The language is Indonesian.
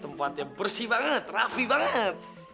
tempatnya bersih banget rapi banget